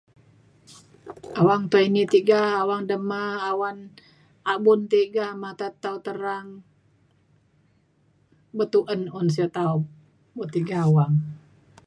awang tau ini tiga awang dema awan abun tiga mata tau terang betuen un sio taup buk tiga awang